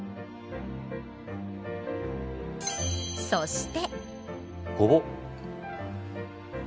そして。